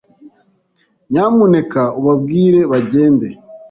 Nyamuneka ubabwire bagende.